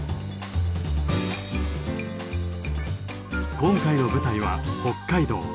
今回の舞台は北海道。